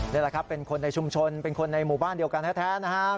นี่แหละครับเป็นคนในชุมชนเป็นคนในหมู่บ้านเดียวกันแท้นะครับ